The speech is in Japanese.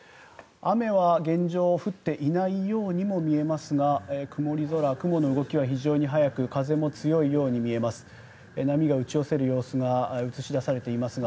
雨は現状降っていないようにも見えますが曇り空、雲の動きは非常に速く風は強いように見えます。